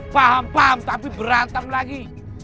paham paham tapi berantem lagi